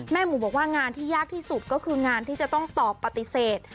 หมูบอกว่างานที่ยากที่สุดก็คืองานที่จะต้องตอบปฏิเสธ